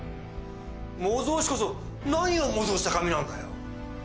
模造紙こそ何を模造した紙なんだよ？